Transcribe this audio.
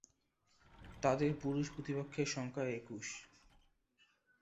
তাদের পুরুষ প্রতিপক্ষের সংখ্যা একুশ।